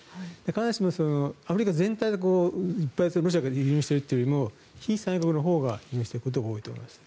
必ずしもアフリカ全体でいっぱいロシアから輸入しているというよりも非産油国のほうが輸入していることが多いと思います。